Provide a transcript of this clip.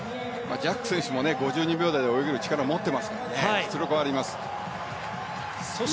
ジャック選手も５２秒台で泳げる力は持っていますから実力はあります。